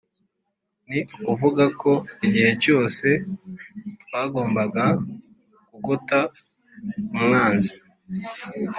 ni ukuvuga ko igihe cyose twagombaga kugota umwanzi